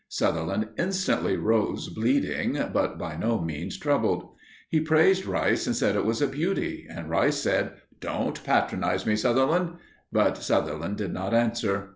Sutherland instantly rose bleeding, but by no means troubled. He praised Rice and said it was a beauty. And Rice said, "Don't patronize me, Sutherland," but Sutherland did not answer.